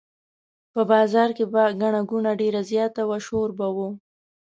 په بازار کې به ګڼه ګوڼه ډېره زیاته وه شور به و.